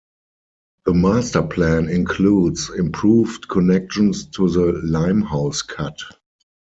The masterplan includes improved connections to the Limehouse Cut.